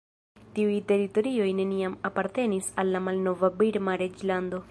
Tiuj teritorioj neniam apartenis al la malnova birma reĝlando.